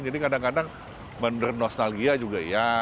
jadi kadang kadang bener nostalgia juga ya